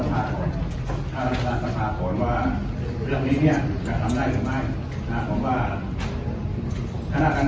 ในการที่คุณศิรัทธิ์เสนอมาเนี่ยนะมันเข้าถ่ายหน้าหน้าที่ของเราหรือไม่